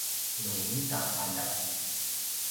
nu ita qadav